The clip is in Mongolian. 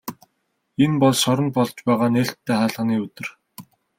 Энэ бол шоронд болж байгаа нээлттэй хаалганы өдөр.